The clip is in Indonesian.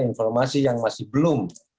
informasi yang masih belum